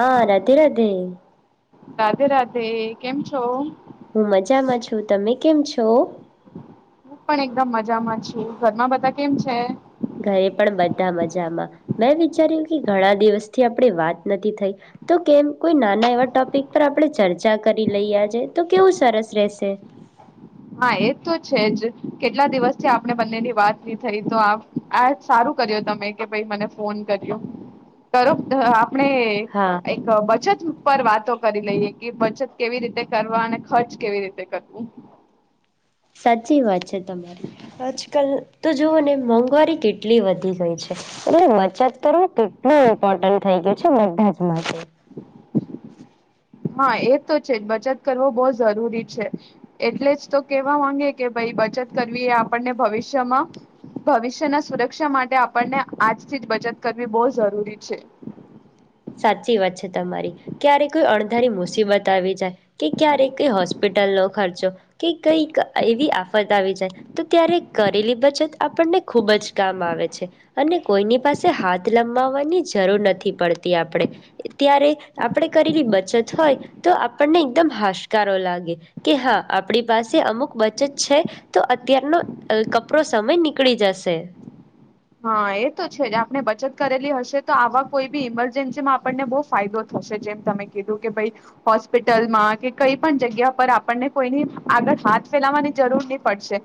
હા રધે રાધે રાધે રાધે કેમ છો હું મજામાં છું, તમે કેમ છો હું પણ એકદમ મજામાંછુ ઘરમાં બધા કેમ છે ઘરે પણ બધા મજામાં, મેં વિચાર્યું કે ઘણા દિવસથી ધરે પણ બઆપણે વાત નથી થઈ તો કેમ કોઈ નાના એવા ટોપિક પર આપણે ચર્ચા કરી લઈ આજે તો કેવું સરસ રહેશે હા એ તો છે, જ કેટલા દિવસથી આપણે બંનેની વાત ની થઈ તો આ સારું કર્યું તમે કે ભાઈ મને ફોન કર્યો કરો આપણે હા એક બચત ઉપર વાતો કરી લઈએ કે બચત કેવી રીતે કરવા અને ખર્ચ કેવી રીતે કરવું સાચી વાત છે, તમારી આજકાલ તો જોુવ ને મોંઘવારી કેટલી વધી ગઈ છે અને બચત કરવું કેટલું ઇમ્પોર્ટન્ટ થઈ ગયું છે બધાજ માટે હા એ તો છે, જ બચત કરવો બહુ જરૂરી છે એટલે જ તો કેવા માંગે કે ભાઈ બચત કરવી એ આપણને ભવિષ્યમાં ભવિષ્યના સુરક્ષા માટે આપણને આજથી જ બચત કરવી બહુ જરૂરી છે સાચી વાત છે તમારી ક્યારે કોઈ અણધારી મુસીબત આવી જાય કે ક્યારે કઈ હોસ્પિટલનો ખર્ચો કે કઈક એવી આફત આવી જાય તો ક્યારે કરેલી બચત આપણને ખુબ જ કામ આવે છે અને કોઈની પાસે હાથ લંબાવવાની જરૂર નથી પડતી આપણે ત્યારે આપણે કરેલી બચત હોય તો આપણને એકદમ હાશકારો લાગે કે હા આપણી પાસે અમુક બચત છે તો અત્યારનો કપરો સમય નીકળી જશે હા એ તો છે જ આપણે બચત કરેલી હશે તો આવા કોઈ બી ઈમરજન્સીમાં આપણને બહુ ફાયદો થશે જેમ તમે કીધું કે ભાઈ, હોસ્પિટલમાં કે કઈ પણ જગ્યા પર આપણને કોઈની આગળ હાથ ફેલાવાની જરૂર નહી પડશે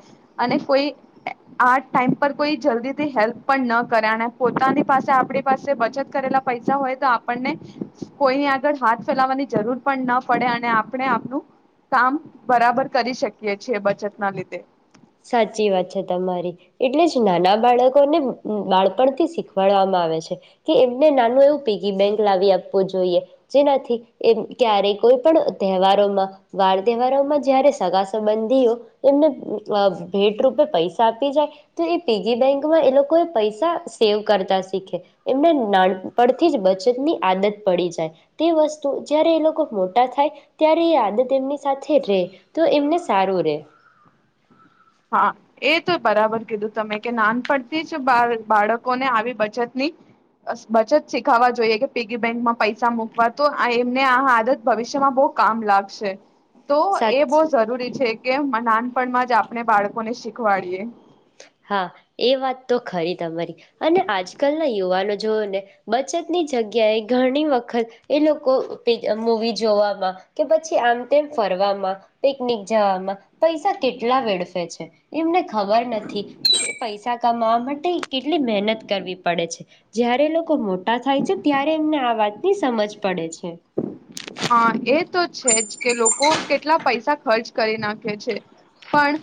અને કોઈ આ ટાઈમ પર કોઈ જલ્દી હેલ્પ પણ ન કરે અને પોતાની પાસે આપણી પાસે બચત કરેલા પૈસા હોય તો આપણને કોઈ આગળ હાથ ફેલાવાની જરૂર પણ ન પડે અને આપણે આપણ કામ બરાબર કરી શકીએ છીએ બચત ના લીધે સાચી વાત છે, તમારી એટલે જ નાના બાળકોને બાળપણથી શીખવાડવામાં આવે છે કે એમને નાનું એવું પીગી બેક લાવી આપવું જોઈએ જેનાથી એમ ક્યારે કોઈ પણ તહેવારોમાં વાર તહેવારોમાં જયારે સગા સંબંધીઓ એમને ભેટ રૂપે પૈસા આપી જાય તો એ પીગી બેંકમાં એ લોકો એ પૈસા સેવ કરતા શીખે એમને નાનપણથી જ બચતની આદત પડી જાય તે વસ્તુ જયારે એ લોકો મોટા થાય ત્યારે એ આદત એમની સાથે રે તો એમને સારું રે હા, એ તો બરાબર કીધું તમે કે નાનપડતી જ બાળકોને આવી બચત ની બચત શીખાવા જોઈએ કે પીગી બેંકમાં પૈસા મૂકવા તો આ એમને આ આદત ભવિષ્યમાં બહુ કામ લાગશે તો એ બહુ સાચી જરૂરી છે કે નાનપણમાં જ આપ આપણે બાળકો ને શીખવાડીએ હા, એ વાત તો ખરી તમારી અને આજકાલના યુવાનો જોઓ ને બચતની જગ્યાએ ઘણી વખત એ લોકો મૂવી જોવામાં કે પછી આમ તેમ ફરવામાં પિકનિક જવામાં પૈસા કેટલા વેડફે છે એમને ખબર નથી પૈસા કમાવા માટે કેટલી મહેનત કરવી પડે છે, જ્યારે લોકો મોટા થાય છે ત્યારે એમને આ વાતની સમજ પડે છે. હા, એ તો છે જ કે લોકો કેટલા પૈસા ખર્ચ કરી નાખે છે પણ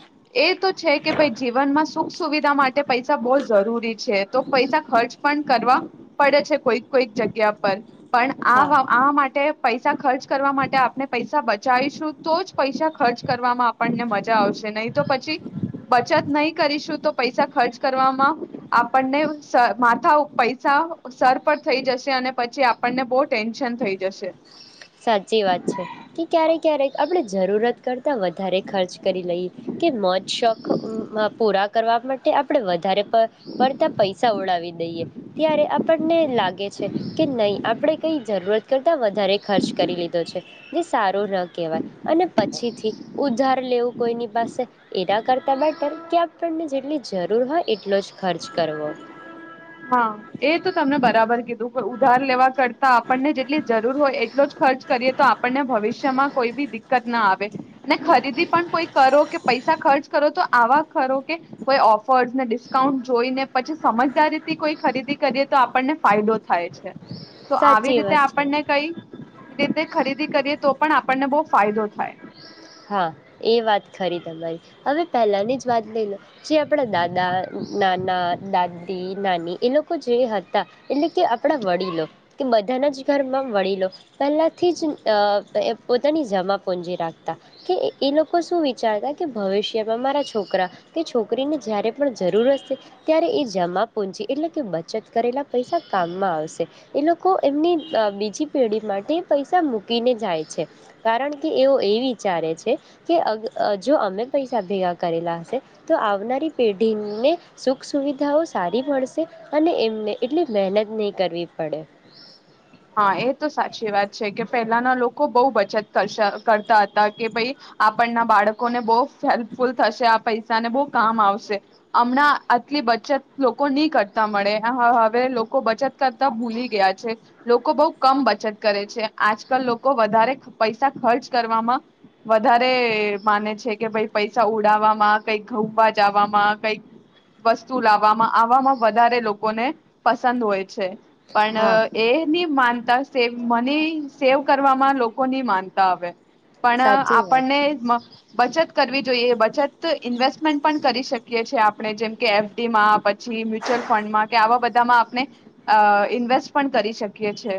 એ તો છે કે ભાઈ જીવનમાં સુખ સુવિધા માટે પૈસા બહુ જરૂરી છે, તો પૈસા ખર્ચ પણ કરવા પડે છે કોઈક કોઈક જગ્યા પર પણ હા આ આ માટે પૈસા ખર્ચ કરવા માટે આપને પૈસા બચાવીશું તો જ પૈસા ખર્ચ કરવામાં આપણને મજા આવશે નહી તો પછી બચત નહી કરીશું તો પૈસા ખર્ચ કરવામાં આપણને માથા પૈસા સર પર થઈ જશે અને પછી આપણને બહુ ટેન્શન થઈ જશે સાચી વાત છે, કે ક્યારે ક્યારે આપણે જરૂરત કરતા વધ વધારે ખર્ચ કરી લઈ કે મોજ શોખ પૂરા. કરવા માટે આપણે વધારે પ પડતા પૈસા ઓડાવી દઈએ, ત્યારે આપણને લાગે છે કે નહીં આપણે કંઈ જરૂરત કરતાં વધારે ખર્ચ કરી લીધો છે, જે સારો ના કેહેવાય, અને પછીથી ઉધાર લેવું કોઈની પાસે એના કરતા માટે આપણને જેટલી જરૂર હોય એટલો જ ખર્ચ કરવો. હા એ તો તમને બરાબર કીધું ઉધાર લેવા કરતા આપણને જેટલી જરૂર હોય એટલો જ ખર્ચ કરીએ તો આપણને ભવિષ્યમાં કોઈ બી દિક્કત ના આવે, અને ખરીદી પણ કોઈ કરો કે પૈસા ખર્ચ કરો તો આવા ખો કે, કોઈ ઓફર્સ ને ડિસ્કાઉન્ટ જોઈ ને પછી સમજદારી કોઈ ખરીદી કરીએ તો આપણને ફાયદો થાય છે. તો આવી સાચી રીતે વાત છે આપણને કઈ રીતે ખરીદી કરીએ તો પણ આપણને બહુ ફાયદો થાય. હા, એ વાત ખરી તમારી હવે પહેલાની જ વાત લઈ લો જે આપણા દાદા દાદા નાના દાદી નાની એ લોકો જે હતા. એટલે કે આપડા વડીલો કે બ ધનજ ઘરમાં વડીલો, પહેલાંથી જ પોતાની જમાપુંજી રાખતા. કે એ લોકો શું વિચારતા કે ભવિષ્યમાં મારા છોકરા, કે છોકરીને જારે પણ જરૂર હશે, ત્યારે એ જમા પૂજી એટલે કે બચત કરેલા પૈસા કામમાં આવશે, એ લોકો એમની બીજી પેઢી માટે પૈસા મૂકીને જાય છે, કારણ કે એઓ એવી વિચારે છે, કે અ જો અમે પૈસા ભેગા કરેલા હશે, તો આવનારી પેઢીને સુખ સુવિધાઓ સારી મળશે, અને એમને એટલી મહેનત નહીં કરવી. પડે હા એ તો સાચ ી વાત છે કે પહેલાના લોકો બહુ બચત કર કરતા હતા કે ભાઈ, આપણના બાળકોને બહ હેલ્પફુલ થશે આ પૈસાને બહ કામ આવશે, હમણાં આટલી બચત લોકો નહી કરતા મળે હવે લોકો બચત કરતા ભૂલી ગયા છે લોકો બહુ કમ બચત કરે છે, આજકાલ લોકો, વધારે પૈસા ખર્ચ કરવામાં વધારે માને છે કે ભાઈ પૈસા ઉડવામાં કઈક ઘઉંવા જવામાં કઈક વસ્તુ લાવવામાં આવવામાં વધારે લોકોને પસંદ હોય છે. હા પણ એની માન મની સેવ કરવામાં લોકો ની માનતા આવે. પણ સાચી વાત આપણને છે બચત કરવી જોઈએ. ઇન્વેસ્ટમેન્ટ પણ કરી શકીએ છીએ આપણે જેમ કે એફડી માં પછી મ્યુચ્યુઅલ ફંડમાં કે આવા બધામાં આપણે. ઇન્વેસ્ટ પણ કરી શકીએ છે.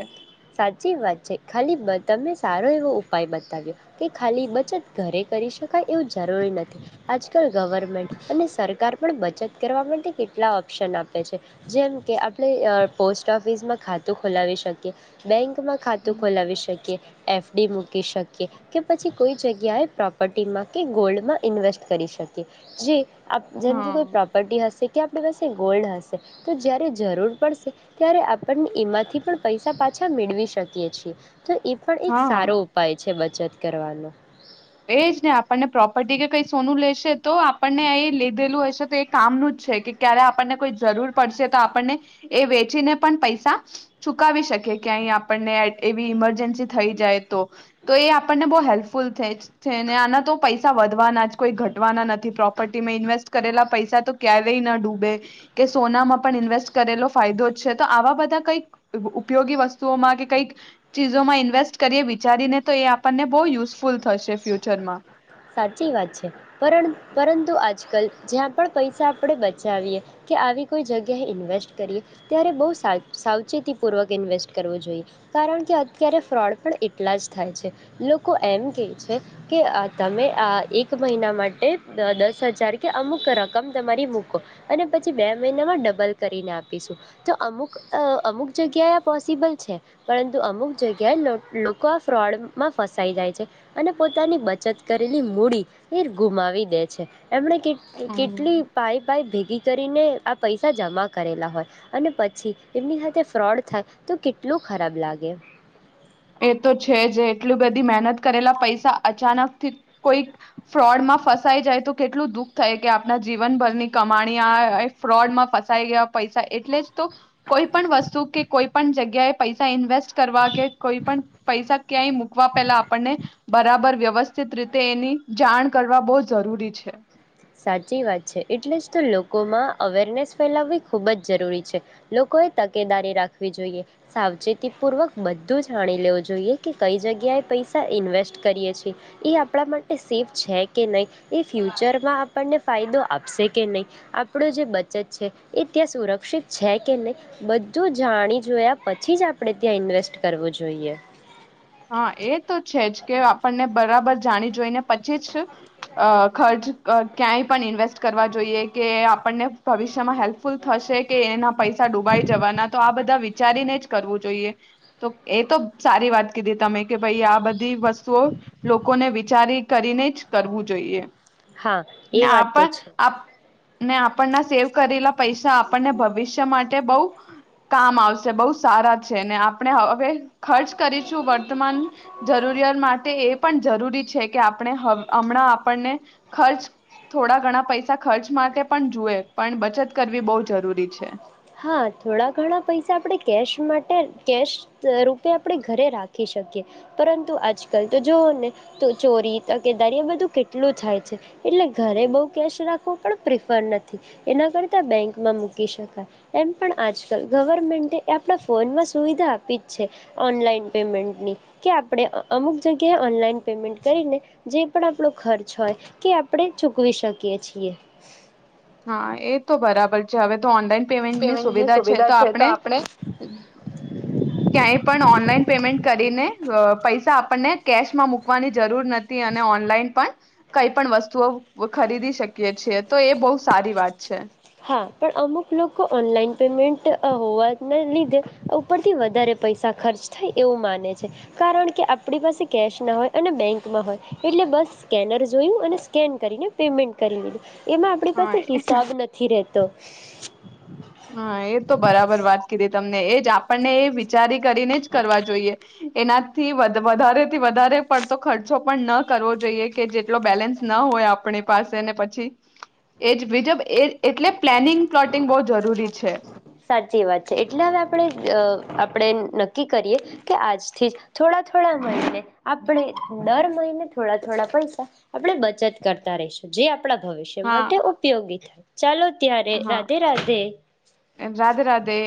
સાચી વાત છે ખાલી તમે સારો એવો ઉપાય બતાવ્યો, કે ખાલી બચત ઘરે કરી શકાય એવું જરૂરી નથી, આજકાલ ગવર્મેન્ટ અને સરકાર પણ બચત કરવા માટે કેટલા ઓપ્શન આપે છે, જેમ કે આપણે પોસ્ટ ઓફિસમાં ખાતું ખોલાવી શકીએ. બેંક ખાતું ખોલાવી શકીએ. એફડી મૂકી શકીએ, કે પછી કોઈ જગ્યાએ પ્રોપર્ટીમાં કે ગોલ્ડમાં ઇન્વેસ્ટ કરી શકીએ, જે આપ જેમ હા કોઈ પ્રોપર્ટી હશે કે આપણી પાસે ગોલ્ડ હશે, તો જ્યારે જરૂર પડશે ત્યારે આપણને એમાંથી પણ પૈસા પા અચા મેળવી શકીએ છીએ. તો એ પણ એક હા. સારો ઉપાય છે બધ બ જત કરવાનો. એ જ ને આપણને પ્રોપર્ટી કે કઈ સોનું લેશે તો આપણને એ લીધેલું હશે તો એ કામનું જ છે કે ક્યારે આપણને કોઈ જરૂર પડશે તો આપણને, એ વેચીને પણ પૈસા ચુકાવી શકે કે અહીં આપણને એવી ઈમરજન્સી થઈ જાય. તો, એ આપણને બહુ હેલ્પ ફૂલ થેજ છે ને આના તો પૈસા વધવાના જ કોઈ ઘટવાના નથી પ્રોપર્ટીમાં ઇન્વેસ્ટ કરેલા પૈસા તો ક્યારેય ન ડૂબે, કે સોનામાં પણ ઇન્વેસ્ટ કરેલો ફાયદો જ છે તો આવા બધા કંઈક ઉપયોગી વસ્તુઓમાં કે કંઈક, ચીજોમાં ઇન્વેસ્ટ કરીએ વિચારીને તો એ આપણને બહુ યુઝફુલ થશે. ફ્યુચરમાં. સાચી વાત છે, પર પરંતુ આજકાલ જ્યાં પણ પૈસા આપણે બચાવીએ, કે આવી કોઈ જગ્યાએ ઇન્વેસ્ટ કરીએ, ત્યારે બહુ સા સાવચેતીપૂર્વક ઇન્વેસ્ટ કરવું જોઈએ, કારણ કે અત્યારે ફ્રોડ પણ એટલા જ થાય છે, લોકો એમ કહે છે, કે તમે આ એક મહિના માટે દસ હજાર કે અમુક રકમ તમારી મૂકો, અને પછી બે મહિનામાં ડબલ કરીને આપીશું તો અમુક અમુક જગ્યાએ આ પોસિબલ છે, પરંતુ અમુક જગ્યાએ લોકો આ ફ્રોડમાં ફસાઈ જાય છે, અને પોતાની બ બચત કરેલી મૂડી, એ ગુમાવી દે છે, એમણે હમ. કેટલી પાાય પાય ભેગી ગી કરીને આ પૈસા જમા કરેલા હોય અને પછી એમની સાથે ફ્રોડ થાય તો કેટલું ખરાબ લાગે. એ તો છે જે એટલી બધી મહેનત કરેલા પૈસા અચાનક થી કોઈ ફ્રોડમાં ફસાઈ જાય તો કેટલું દુઃખ થાય કે આપણા જીવનભરની કમાણી આ એક ફ્રોડમાં ફસાઈ ગયા પૈસા એટલે જ તો કોઈ પણ વસ્તુ કે કોઈ પણ જગ્યાએ પૈસા ઇન્વેસ્ટ કરવા કે કોઈ પણ પૈસા ક્યાંય મૂકવા પેલા આપણને બરાબર વ્યવસ સ્થિત રીતે એની જાણ કર રા બહુ જરૂરી છે. સાચી વાત છે. એટલે જ તો લોકોમાં અવેરનેસ ફેલાવવી ખૂબ જ જરૂરી છે. લોકોએ તકેદારી રાખવી જોઈએ સાવચેતીપૂર્વક બધું જ જાણી લેવું જોઈએ કે કઈ જગ્યાએ પૈસા ઇન્વેસ્ટ કરીએ છીએ. એ આપણા માટે સેફ છે કે નહીં એ ફ્યુચરમાં આપણને ફાયદો આપશે કે નહીં. આપણો જે બચત છે એ ત્યાં સુરક્ષિત છે કે નહીં બધું જાણી જોયા પછી જ આપણે ત્યાં ઇન્વેસ્ટ કરવું જોઈએ. હા, એ તો છે જ કે આપણને બરાબર જાણી જોઈને પચીસ અહ ખર્ચ ક ક્યાંય પણ ઇન્વેસ્ટ કરવા જોઈએ કે આપણને ભવિષ્ય માં હેલ્પફુલ થશે કે એના પૈસા ડૂબાઈ જવાના. તો આ બધા વી ચારીને જ કરવું જોઈએ. તો એ તો સારી વાત કીધી તમે કે ભાઈ આ બધી વસ્તુઓ લોકોને વિચારી કરીને જ કરવું જોઈએ. હા ને એ વાત તો આપણ છે આપ ને આપ પણના સેવ કરેલા પૈસ સા આપણને ભવિષ્ય માટે બઉ કામ આવશે બહુ સારા છે. ને આપણે હવે ખર્ચ કરીશું વર્તમાન જરૂરિયાત માટે એ પણ જરૂરી છે કે આપણે હવ અમણાં આપણને ખર્ચ થોડા ઘણા પૈસા ખર્ચ માટે પણ જુએ પણ બચત કરવી બઉ જરૂરી છે. હા, થોડા ઘણા પૈસા આપડે કેશ માટે કેશ રૂપે આપડે ઘરે રાખી શકીએ. પરંતુ આજકાલ તો જોવ ને તો ચોરી તકેદારી એ બધું કેટલું થાય છે. એટલે ઘરે બઉ કેશ રાખવો પણ પ્રિફર નથી, એના કરતા બેંકમાં મૂકી શકાય. એમ પણ આજકાલ ગવર્મેન્ટે આપણા ફોનમાં સુવિધા આપી જ છે. ઓનલાઈન પેમેન્ટની કે આપણે અમુક જગ્યાએ ઓનલાઈન પેમેન્ટ કરીને જે પણ આપણો ખર્ચ હોય તે આપણે ચૂકવી શકીએ છીએ. હા, એ તો બરાબર છે હવે તો ઓનલાઈન પેમેન્ટની સુવિધા છે. તો આપણે ક્યાંય પણ ઓનલાઈન પેમેન્ટ કરીને અહ પૈસા આપ પણને કેશમાં મૂકવાની જરૂર નથી. અને ઓનલાઈન પણ કઈ પણ વસ્તુઓ ખરીદી શકીએ છીએ. તો એ બહુ સારી વાત છે. હા, પણ અમુક લોકો ઓનલાઈન પેમેન્ટ અહ હોવાના લીધે ઉપરથી વધારે પૈસા ખર્ચ થાય એવું માને છે. કારણ કે આપણી પાસે કેશ ના હોય અને બેંકમાં હોય એટલે બસ સ્કેનર જોયું અને સ્કેન કરીને પેમેન્ટ કરી લીધું. એમાં આપણી હા પાસે હિસાબ ન રેતો. હા, એ તો બરાબર વાત કીધી તમ ને એજ આપણને એ વિચારી કરીને જ કરવા જોઈએ એનાથી વધ-વધારેથી વધારે પડતો ખર્ચો પણ ન કરવો જોઈએ કે જેટલો બેલેન્સ ન હોય આપણી પાસે ને પછી એજ બીજબ એ એટલે પ્લાનિંગ પ્લોટિંગ બહુ છે સાચી વાત છે. એટલે હવે આપણે અહ આપણે નક્કી કરીએ કે આજથી જ થોડા થોડા મહિને આપણે દર મહિને થોડા થોડા પૈસા આપણે બચત કરતા રહીશું. જે આપ ણા ભવિષ્ય હા માટે ઉપયોગી થાય. ચાલો ત્યારે રાધે રાધે. એમ રાધે રાધે.